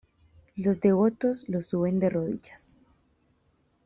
Los devotos los suben de rodillas.